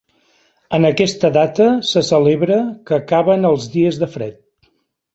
En aquesta data se celebra que acaben els dies de fred.